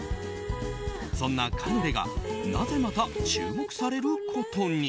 そんなカヌレがなぜまた注目されることに？